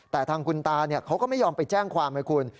แต่ทางคุณตาเขาก็ไม่ยอมไปแจ้งความให้คุณ